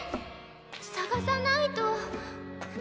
探さないと。